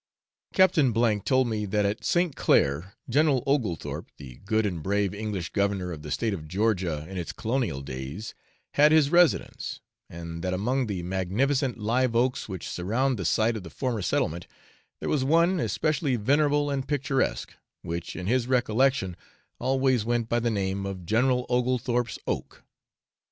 Captain F told me that at St. Clair General Oglethorpe, the good and brave English governor of the State of Georgia in its colonial days, had his residence, and that among the magnificent live oaks which surround the site of the former settlement, there was one especially venerable and picturesque, which in his recollection always went by the name of General Oglethorpe's Oak.